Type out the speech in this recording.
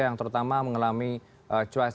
dan puncaknya di februari